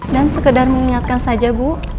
dan sekedar mengingatkan saja bu